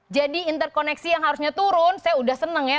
jadi interkoneksi yang harusnya turun saya sudah senang ya